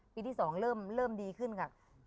ที่๒เริ่มดีขึ้นค่ะ